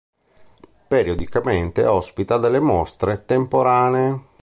Periodicamente ospita delle mostre temporanee.